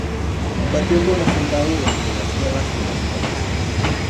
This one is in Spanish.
Combatió como soldado durante las Guerras de los Balcanes.